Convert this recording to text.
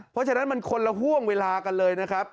เพราะฉะนั้นมันคนละห่วงเวลากันเลยนะครับ